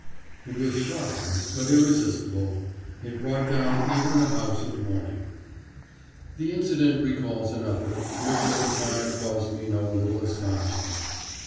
It was shocking, but irresistible. It brought down even the house of mourning. The incident recalls another, which at the time caused me no little astonishment.